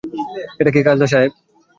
এটা কি কাজলা সাহেব?